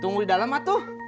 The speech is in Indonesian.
tunggu di dalam atuh